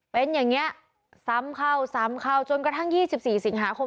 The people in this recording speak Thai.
เป็นอย่างนี้ซ้ำเข้าซ้ำเข้าจนกระทั่ง๒๔สิงหาคม